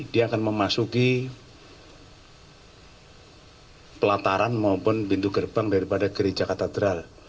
dia akan memasuki pelataran maupun pintu gerbang daripada gereja katedral